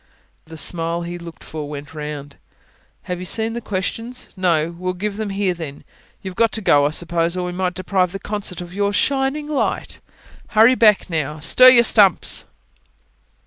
The smile he looked for went round. "Have you seen the questions? no? Well, give them here then. You've got to go, I suppose, or we might deprive the concert of your shining light. Hurry back, now. Stir your stumps!"